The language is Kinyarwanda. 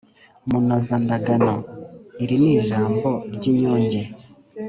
munozandagano: iri ni ijambo ry’inyunge